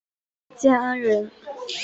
建安人。